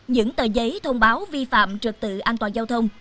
những tờ giấy thông báo vi phạm trật tự an toàn giao thông